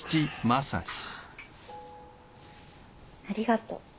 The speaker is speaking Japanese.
ありがとう。